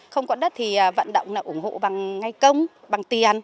không có đất thì vận động là ủng hộ bằng ngay công bằng tiền